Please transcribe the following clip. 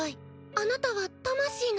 あなたは魂なの？